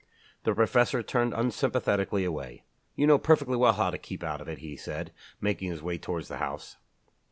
The professor turned unsympathetically away. "You know perfectly well how to keep out of it," he said, making his way toward the house.